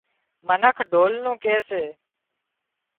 منک ڍول نُون ڪي سي